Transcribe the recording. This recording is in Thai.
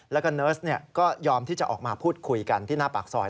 แล้วก็เนิร์สก็ยอมที่จะออกมาพูดคุยกันที่หน้าปากซอย